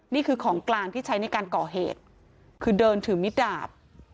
นี่คือของกลางที่ใช้ในการก่อเหตุคือเดินถือมิดดาบ